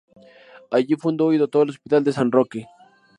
Allí fundó y dotó el Hospital de San Roque.